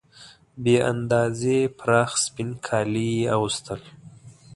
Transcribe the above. بې اندازې پراخ سپین کالي یې اغوستل.